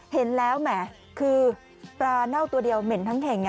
เห็นแล้วแหมคือปลาเน่าตัวเดียวเหม็นทั้งเข่ง